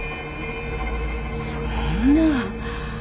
そんな。